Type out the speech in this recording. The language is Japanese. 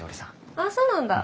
あっそうなんだ。